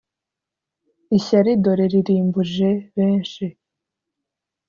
Ishyari dore ririmbuje benshi